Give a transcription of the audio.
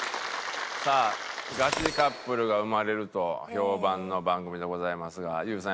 さあガチカップルが生まれると評判の番組でございますがＹＯＵさん